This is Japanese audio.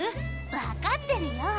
分かってるよ。